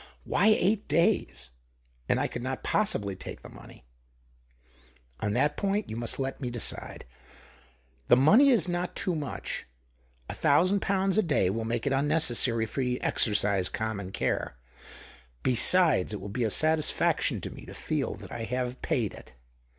Why eight days ? And I could Qot possibly take the money." " On that point you must let me decide. The money is not too much. A thousand pounds a day will make it unnecessary for you to exercise common care ; besides, it will be a satisfaction to me to feel that I have paid it.